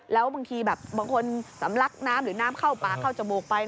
แล้วบางทีแบบบางคนสำลักน้ำหรือน้ำเข้าปากเข้าจมูกไป